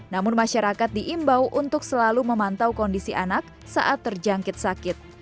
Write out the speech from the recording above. namun masyarakat diimbau untuk selalu memantau kondisi anak saat terjangkit sakit